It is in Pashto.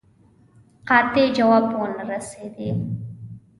قاطع جواب ونه رسېدی.